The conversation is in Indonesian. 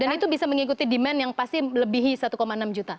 itu bisa mengikuti demand yang pasti melebihi satu enam juta